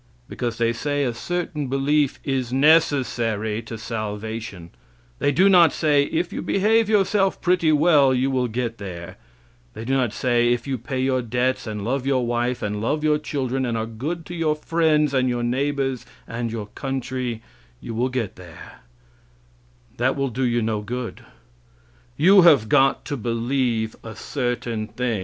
Because they say a certain belief is necessary to salvation. They do not say, if you behave yourself pretty well you will get there; they do not say, if you pay your debts and love your wife, and love your children, and are good to your friends, and your neighbors, and your country, you will get there; that will do you no good; you have got to believe a certain thing.